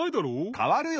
かわるよ。